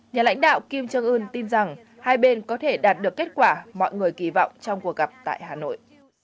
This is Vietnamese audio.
nhà lãnh đạo kim jong un tin rằng hai bên có thể đạt được kết quả mọi người kỳ vọng trong cuộc gặp tại hà nội